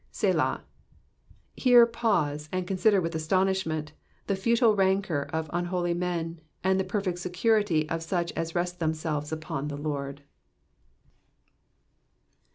*'iSeaiA." Here pause, and consider with astonishment the futile rancour of unholy men, and the perfect security of such as rest themselves upon the Lord.